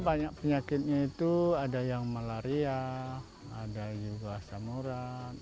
banyak penyakitnya itu ada yang malaria ada juga asam urat